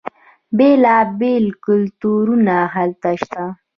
بیلا بیل کلتورونه هلته شته.